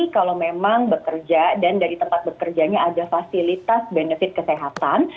kalau memang bekerja dan dari tempat bekerjanya ada fasilitas benefit kesehatan